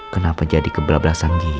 kenapa jadi geblak geblak sang gini ya